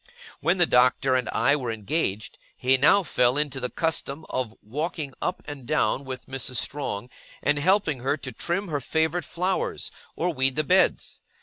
When the Doctor and I were engaged, he now fell into the custom of walking up and down with Mrs. Strong, and helping her to trim her favourite flowers, or weed the beds.